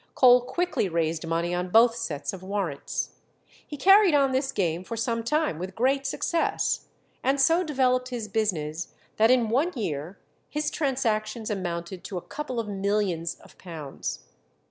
Cole quickly raised money on both sets of warrants. He carried on this game for some time with great success, and so developed his business that in one year his transactions amounted to a couple of millions of pounds.